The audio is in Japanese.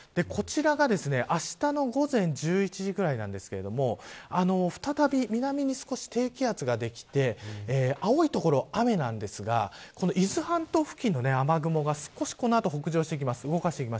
こちらが、あしたの午前１１時ぐらいなんですけれども再び南に少し低気圧ができて青い所は雨なんですが伊豆半島付近の雨雲が少しこの後、北上してきます。